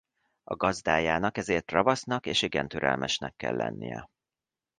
A gazdájának ezért ravasznak és igen türelmesnek kell lennie.